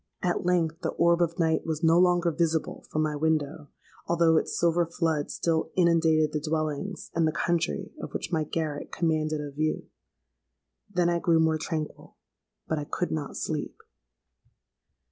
"At length the orb of night was no longer visible from my window, although its silver flood still inundated the dwellings and the country of which my garret commanded a view. Then I grew more tranquil:—but I could not sleep!